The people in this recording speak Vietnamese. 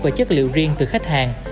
và chất liệu riêng từ khách hàng